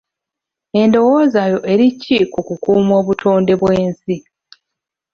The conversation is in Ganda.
Endowooza yo eri ki ku kukuuma obutonde bw'ensi?